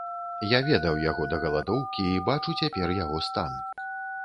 Я ведаў яго да галадоўкі і бачу цяпер яго стан.